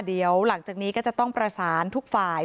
เดี๋ยวหลังจากนี้ก็จะต้องประสานทุกฝ่าย